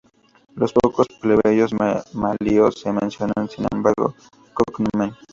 Los pocos plebeyos Manlio se mencionan sin ningún cognomen.